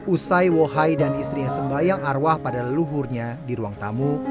usai wohai dan istrinya sembayang arwah pada leluhurnya di ruang tamu